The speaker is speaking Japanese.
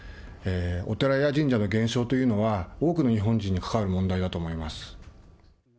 お寺や神社の減少というのは、多くの日本人に関わる問題だと思います。